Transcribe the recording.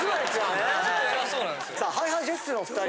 さあＨｉＨｉＪｅｔｓのお２人。